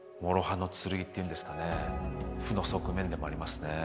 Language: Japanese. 負の側面でもありますね。